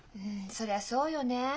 そりゃそうよね。